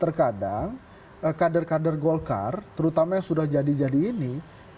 terkadang kader kader golkar terutama yang sudah jadi jadi ini